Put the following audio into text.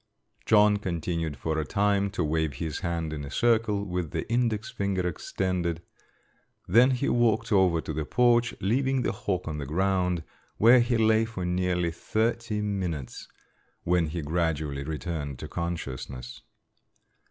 John continued for a time to wave his hand in a circle with the index finger extended; then he walked over to the porch leaving the hawk on the ground, where he lay for nearly thirty minutes, when he gradually returned to consciousness.